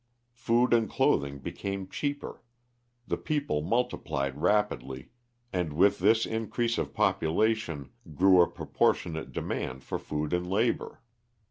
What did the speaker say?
Food and clothing became cheaper. The people multiplied rapidly, and with this increase of population grew a proportionate demand for food and labor.